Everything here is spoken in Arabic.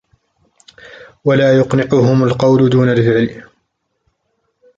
وَلَا يُقْنِعُهُمْ الْقَوْلُ دُونَ الْفِعْلِ